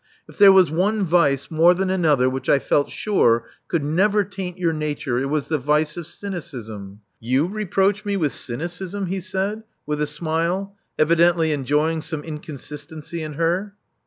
If there was one vice more than another which I felt sure could never taint your nature, it was the vice of cynicism." You reproach me with cynicism!" he said, with a smile, evidently enjoying some inconsistency in her.